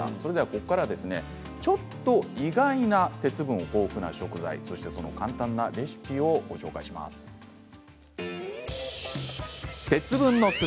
ここからはちょっと意外な鉄分の豊富な食材簡単なレシピをご紹介します。